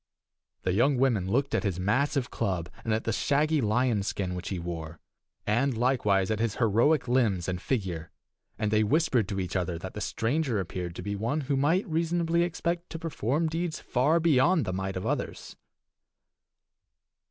The young women looked at his massive club, and at the shaggy lion's skin which he wore, and, likewise, at his heroic limbs and figure, and they whispered to each other that the stranger appeared to be one who might reasonably expect to perform deeds far beyond the might of others.